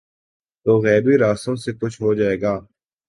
تو غیبی راستوں سے کچھ ہو جائے گا۔